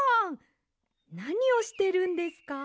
なにをしてるんですか？